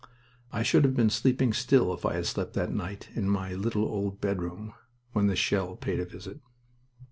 I should have been sleeping still if I had slept that night in my little old bedroom when the shell paid a visit.